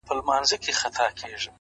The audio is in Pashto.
زه يې د ميني په چل څنگه پوه كړم،